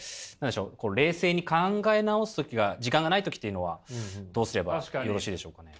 冷静に考え直す時が時間がない時っていうのはどうすればよろしいでしょうかね？